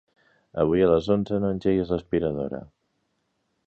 Avui a les onze no engeguis l'aspiradora.